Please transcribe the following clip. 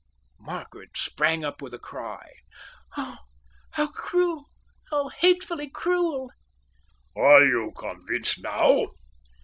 Margaret sprang up with a cry. "Oh, how cruel! How hatefully cruel!" "Are you convinced now?"